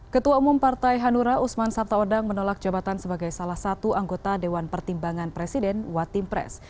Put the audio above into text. ketua umum partai hanura usman sabtaodang menolak jabatan sebagai salah satu anggota dewan pertimbangan presiden watim pres